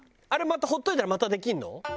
あれまたほっといたらまたできるの？